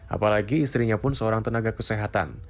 apalagi istrinya pun seorang tenaga kesehatan